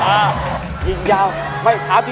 ไม่มีอะไรของเราเล่าส่วนฟังครับพี่